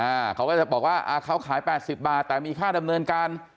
เขาก็จะบอกว่าอ่าเขาขายแปดสิบบาทแต่มีค่าดำเนินการ